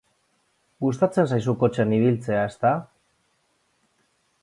Gustatzen zaizu kotxean ibiltzea, ezta?.